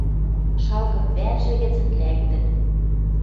шалгым вӓржӹ гӹцӹн лӓктӹн